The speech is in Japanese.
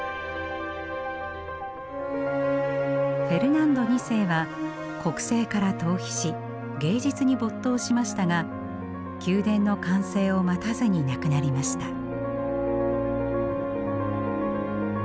フェルナンド２世は国政から逃避し芸術に没頭しましたが宮殿の完成を待たずに亡くなりました。